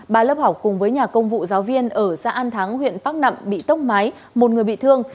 ba lớp học cùng với nhà công vụ giáo viên ở xã an thắng huyện bắc nậm bị tốc mái một người bị thương